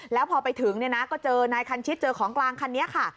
แล้วพอไปถึงเนี่ยนะก็เจอนายคันชิดเจอของกลางคันนี้ค่ะ